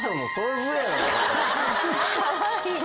かわいい。